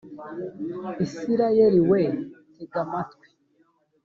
isirayeli we tega amatwi